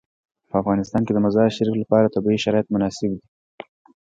په افغانستان کې د مزارشریف لپاره طبیعي شرایط مناسب دي.